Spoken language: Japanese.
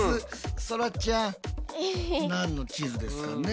そらちゃん何の地図ですかね？